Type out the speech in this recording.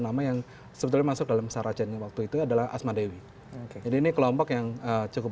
nama yang sebetulnya masuk dalam saracennya waktu itu adalah asma dewi jadi ini kelompok yang cukup